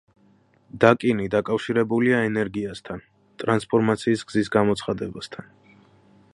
დაკინი დაკავშირებულია ენერგიასთან, ტრანსფორმაციის გზის გამოცხადებასთან.